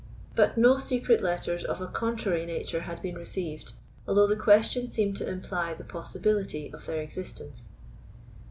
But no secret letters of a contrary nature had been received, although the question seemed to imply the possibility of their existence.